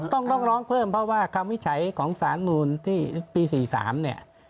ต้องร้องเพิ่มเพราะว่าคำวิจัยของสารนูลที่ปี๔๓เนี่ย